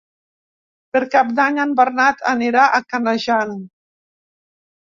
Per Cap d'Any en Bernat anirà a Canejan.